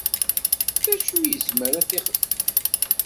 D acu i izmer ad t-ixdem?